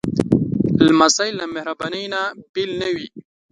لمسی له مهربانۍ نه بېل نه وي.